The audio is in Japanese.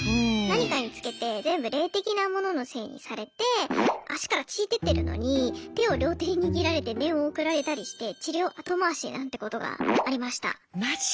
何かにつけて全部霊的なもののせいにされて足から血出てるのに手を両手握られて念送られたりして治療後回しなんてことがありました。